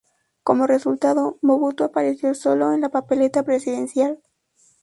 Como resultado, Mobutu apareció solo en la papeleta presidencial.